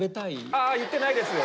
ああ言ってないです！